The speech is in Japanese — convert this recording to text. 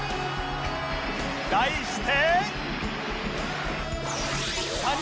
題して